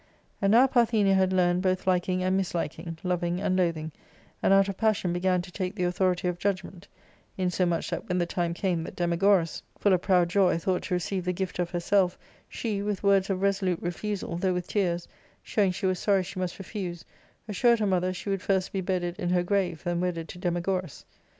And now Parthenia had^ learned both likingjLnd misliking, loving and loathing, and out of passion began to take the authority of judgment ; in somuch, that, when the time came that Demagoras, full of proud joy, thought to receive the gift of herself, she, with words of resolute refusal, though with tears, showing she was sorr>' she must refuse, assured her mother she would first be bedded in her grave than wedded to Demagoras.